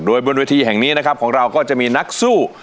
โดยบนเวทีแห่งนี้นะครับของเราก็จะมีนักสู้